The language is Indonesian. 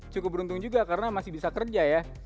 cukup beruntung juga karena masih bisa kerja ya